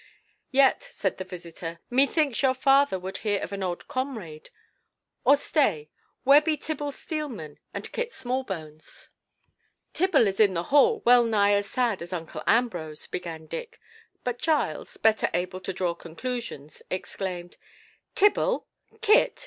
"Yet," said the visitor, "methinks your father would hear of an old comrade. Or stay, where be Tibble Steelman and Kit Smallbones?" "Tibble is in the hall, well nigh as sad as uncle Ambrose," began Dick; but Giles, better able to draw conclusions, exclaimed, "Tibble! Kit!